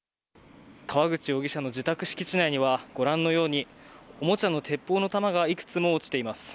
川口容疑者の自宅敷地内には、ご覧のように、おもちゃの鉄砲の弾がいくつも落ちています。